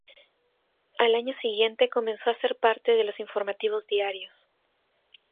Al año siguiente comenzó a ser parte de los informativos diarios.